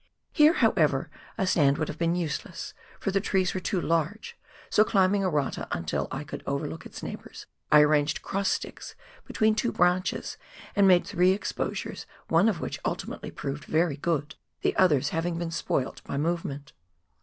Here, however, a stand would have been useless, for the trees were too large, so cKmbing a rata until I could overlook its neighbours, I arranged cross sticks between two branches, and made three exposures, one of which ultimately proved very good, the others having been spoilt by movement.